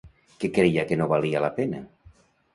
Què creia que no valia la pena?